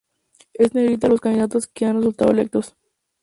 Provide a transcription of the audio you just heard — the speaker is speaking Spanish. En negrita los candidatos que han resultado electos.